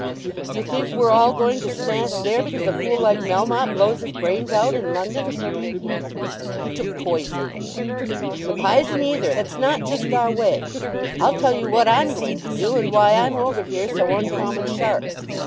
D'you think we're all going to smash there because a fool like Melmotte blows his brains out in London?" "He took poison." "Or p'ison either. That's not just our way. I'll tell you what I'm going to do; and why I'm over here so uncommon sharp.